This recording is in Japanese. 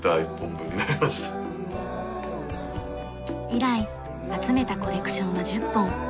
以来集めたコレクションは１０本。